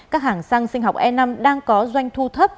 các hàng xăng sinh học e năm đang có doanh thu thấp